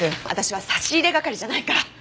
私は差し入れ係じゃないから。